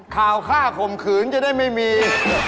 ข่าวข้าข่มขืนจะได้ไม่มี